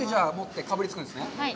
はい。